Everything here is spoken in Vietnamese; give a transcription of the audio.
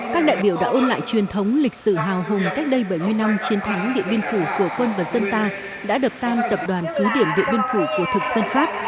các đại biểu đã ôn lại truyền thống lịch sử hào hùng cách đây bảy mươi năm chiến thắng địa biên phủ của quân và dân ta đã đập tan tập đoàn cứ điểm điện biên phủ của thực dân pháp